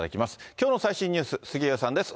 きょうの最新ニュース、杉上さんです。